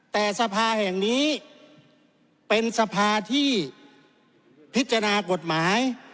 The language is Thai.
แต่สภาแห่งนี้เป็นสภาที่พิจารณากฎหมาย